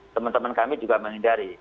teman teman kami juga menghindari